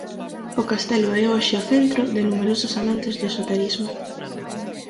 O castelo é hoxe o centro de numerosos amantes do esoterismo.